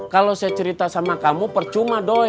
kalau saya cerita sama kamu percuma doa